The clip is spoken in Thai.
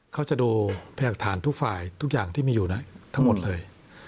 เขาจะดูพยากฐานทุกฝ่ายทุกอย่างที่มีอยู่ทั้งหมดเลย